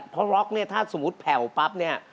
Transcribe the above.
เพราะล็อกเนี่ยถ้าสมมุติแผ่วปั๊บเนี่ย